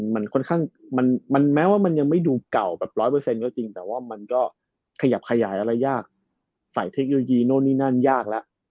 มันค่อนข้างแม้ว่ามันยังไม่ดูเก่าแบบ๑๐๐ก็จริงแต่ว่ามันก็ขยับขยายแล้วแล้วยากใส่เทคโยยีโน้นนี่นั่นยากแล้ว